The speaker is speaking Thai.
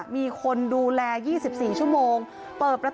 มีแต่เสียงตุ๊กแก่กลางคืนไม่กล้าเข้าห้องน้ำด้วยซ้ำ